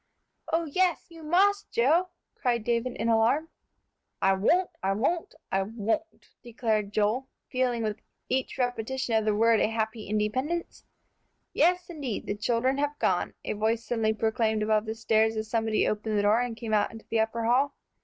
"Oh, yes, you must, Joe!" cried David, in alarm. "I won't, I won't, I won't!" declared Joel, feeling with each repetition of the word a happy independence. "Yes, indeed, the children have gone," a voice suddenly proclaimed above the stairs, as somebody opened the door and came out into the upper hall.